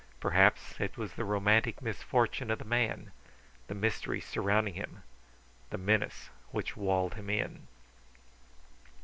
Perhaps it was the romantic misfortune of the man, the mystery surrounding him, the menace which walled him in.